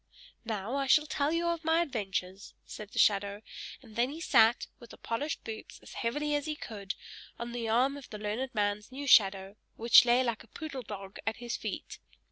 "Now I shall tell you my adventures," said the shadow; and then he sat, with the polished boots, as heavily as he could, on the arm of the learned man's new shadow, which lay like a poodle dog at his feet.